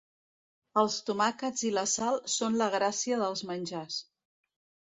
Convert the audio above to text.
Els tomàquets i la sal són la gràcia dels menjars.